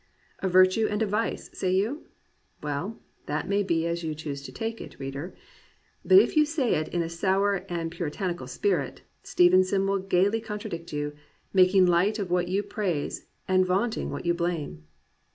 "A virtue and a vice," say you.^ Well, that may be as you choose to take it, reader. But if you say it in a sour or a puritanical spirit, Stevenson will gaily contradict you, making light of what you praise and vaunting what you blame.